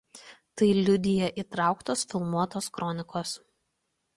Tai liudija įtrauktos filmuotos kronikos.